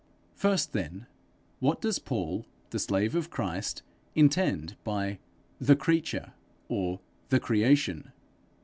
First then, what does Paul, the slave of Christ, intend by 'the creature' or 'the creation'?